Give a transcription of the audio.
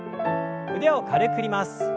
腕を軽く振ります。